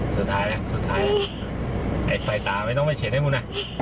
สุดท้ายนะสุดท้ายไอ้ไฟตาไม่ต้องไปเฉดให้กูนะ